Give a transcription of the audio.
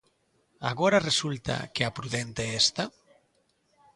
¿Agora resulta que a prudente é esta?